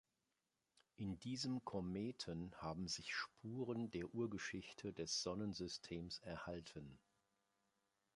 In diesem Kometen haben sich Spuren der Urgeschichte des Sonnensystems erhalten.